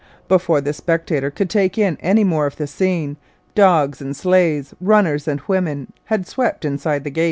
Before the spectator could take in any more of the scene, dogs and sleighs, runners and women, had swept inside the gate.